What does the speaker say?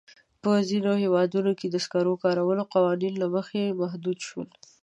په ځینو هېوادونو کې د سکرو کارول د قوانینو له مخې محدود شوي.